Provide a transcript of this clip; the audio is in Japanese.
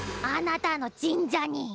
あなたの神社に！